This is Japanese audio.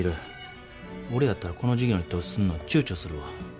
俺やったらこの事業に投資すんのちゅうちょするわ。